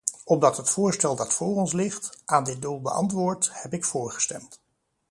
Omdat het voorstel dat voor ons ligt, aan dit doel beantwoordt, heb ik voorgestemd.